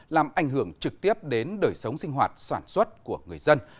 làm ảnh hưởng trực tiếp đến đời sống sinh hoạt sản xuất của người dân